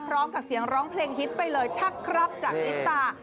พร้อมกับเสียงร้องเพลงฮิตไปเลยทักครับจากลิปตา